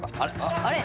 あれ？